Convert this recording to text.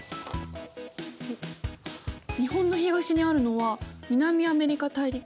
日本の東にあるのは南アメリカ大陸。